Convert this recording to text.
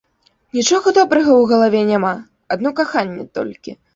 Нічога добрага ў галаве няма, адно каханне толькі.